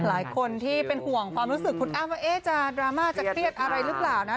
หลายคนที่เป็นห่วงความรู้สึกคุณอ้ำว่าจะดราม่าจะเครียดอะไรหรือเปล่านะ